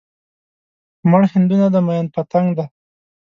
مړ هندو نه دی ميئن پتنګ دی